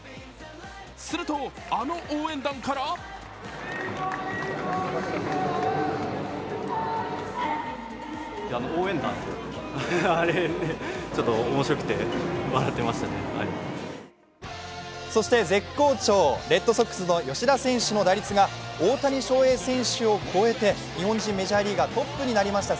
すると、あの応援団からそして絶好調、レッドソックスの吉田選手の打率が大谷翔平選手を超えて日本人メジャーリーガートップになりました。